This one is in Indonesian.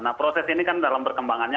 nah proses ini kan dalam perkembangannya